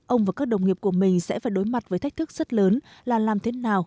ông và các đồng nghiệp của mình sẽ phải đối mặt với thách thức rất lớn là làm thế nào